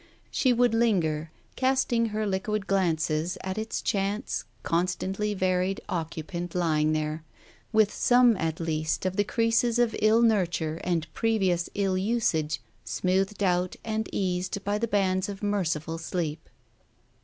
She would linger, casting her liquid glances at its chance, con stantly varied, occupant lying there, with some at least of the creases of ill nurture and previous ill usage smoothed out and eased by the bands of merciful sleep.